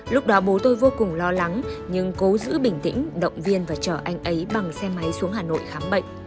lúc đó bố tôi vô cùng lo lắng nhưng cố giữ bình tĩnh động viên và chở anh ấy bằng xe máy xuống hà nội khám bệnh